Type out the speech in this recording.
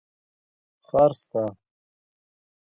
ښار سته.